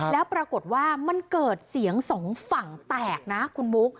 แล้วปรากฏว่ามันเกิดเสียงสองฝั่งแตกนะคุณบุ๊ค